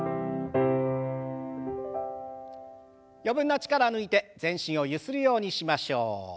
余分な力を抜いて全身をゆするようにしましょう。